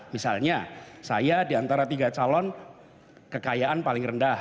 misalnya saya diantara tiga calon kekayaan paling rendah